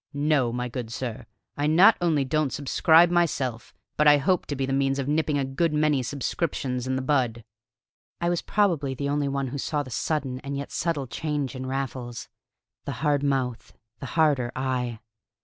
No, my good sir, I not only don't subscribe myself, but I hope to be the means of nipping a good many subscriptions in the bud." I was probably the only one who saw the sudden and yet subtle change in Raffles the hard mouth, the harder eye.